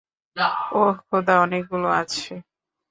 ওহ, খোদা, অনেকগুলো আছে।